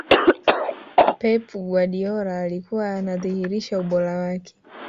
pep guardiola alikuwa anadhirisha ubora wake